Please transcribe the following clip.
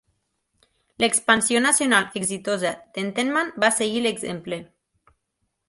L'expansió nacional exitosa d'Entenmann va seguir l'exemple.